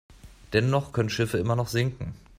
Dennoch können Schiffe immer noch sinken.